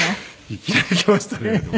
いきなりきましたね。